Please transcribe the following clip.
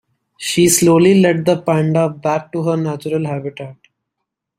She slowly led the panda back to her natural habitat.